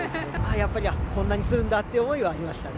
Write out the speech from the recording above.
やっぱりこんなにするんだという思いはありましたね。